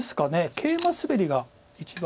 ケイマスベリが一番。